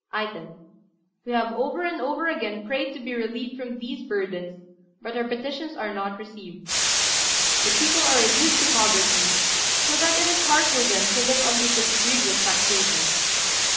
"Item. We have over and over again prayed to be relieved from these burthens, but our petitions are not received. The people are reduced to poverty, so that it is hard for them to live under such grievous taxation.